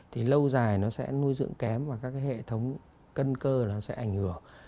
thì lâu dài nó sẽ nuôi dưỡng kém và các cái hệ thống cân cơ nó sẽ ảnh hưởng